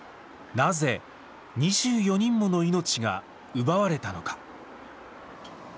なぜ２４人もの命が奪われたのか。